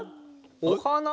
おはな？